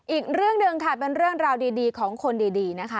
อีกเรื่องหนึ่งค่ะเป็นเรื่องราวดีของคนดีนะคะ